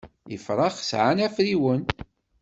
Ifrax sɛan afriwen.